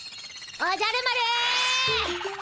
おじゃる丸。